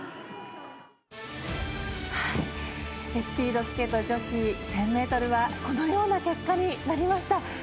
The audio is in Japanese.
スピードスケート女子１０００ｍはこのような結果になりました。